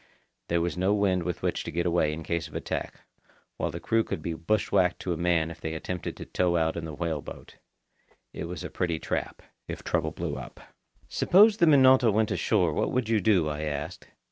There was no wind with which to get away in case of attack, while the crew could be bushwhacked to a man if they attempted to tow out in the whale boat. It was a pretty trap, if trouble blew up. "Suppose the Minota went ashore—what would you do?" I asked.